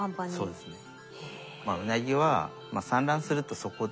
そうですね。